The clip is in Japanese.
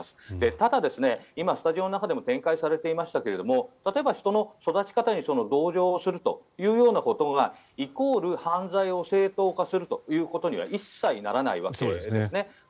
ただ、今、スタジオの中でも展開されていましたが例えば人の育ち方に同情をするということがイコール犯罪を正当化するということには一切ならないわけですね。